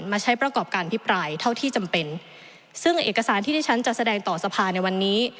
มาใช้ประกอบการพิปรายเท่าที่จำเป็นซึ่งเอกสารที่ที่ฉันจะแสดงต่อสภาในวันนี้